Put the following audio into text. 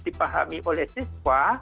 dipahami oleh siswa